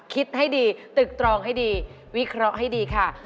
คิดให้ดีตึกตรองให้ดีวิเคราะห์ให้ดีค่ะ